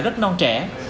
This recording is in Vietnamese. rất non trẻ